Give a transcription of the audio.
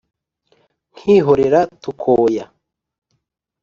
Nkihorera tukoya